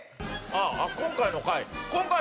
ああ今回の回？